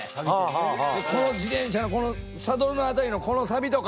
この自転車のサドルの辺りのこのサビとか。